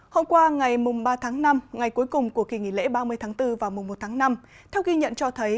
hôm qua ngày ba năm ngày cuối cùng của kỳ nghỉ lễ ba mươi bốn và một năm theo ghi nhận cho thấy